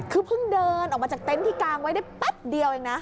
คือเพิ่งเดินออกมาจากเต็นต์ที่กางไว้ได้แป๊บเดียวเองนะ